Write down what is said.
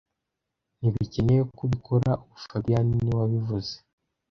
Ntibikenewe ko ubikora ubu fabien niwe wabivuze